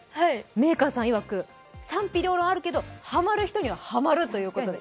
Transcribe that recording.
メーカーさんいわく賛否両論あるけどハマる人にはハマるということで。